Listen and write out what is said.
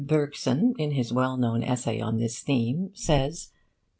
Bergson, in his well known essay on this theme, says...